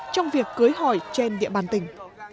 trong việc cưới hỏi trên địa bàn tỉnh